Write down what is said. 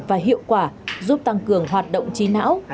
và hiệu quả giúp tăng cường hoạt động trí não